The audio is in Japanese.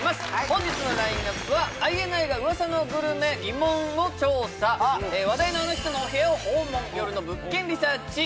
本日のラインナップはＩＮＩがうわさのグルメ疑問を調査話題のあの人のお部屋を訪問よるの物件リサーチ